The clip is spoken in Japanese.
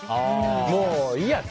もういいやって。